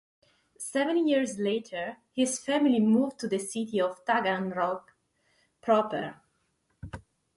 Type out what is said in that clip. Seven years later, his family moved to the city of Taganrog proper.